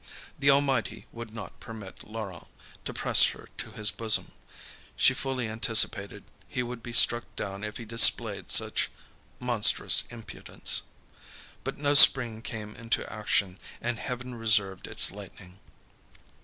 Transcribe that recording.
The Almighty would not permit Laurent to press her to his bosom; she fully anticipated he would be struck down if he displayed such monstrous impudence. But no spring came into action, and heaven reserved its lightning.